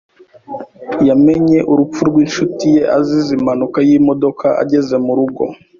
Yamenye urupfu rwinshuti ye azize impanuka yimodoka ageze murugo.